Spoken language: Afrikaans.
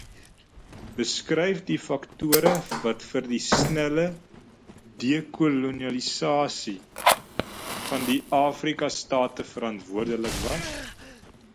Beskryf die faktore wat vir die snelle dekolonisasie van die Afrika-state verantwoordelik was.